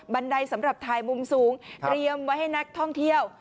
ไดสำหรับถ่ายมุมสูงเตรียมไว้ให้นักท่องเที่ยว